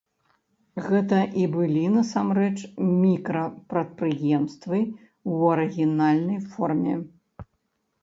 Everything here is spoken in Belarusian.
Гэта і былі насамрэч мікрапрадпрыемствы ў арыгінальнай форме.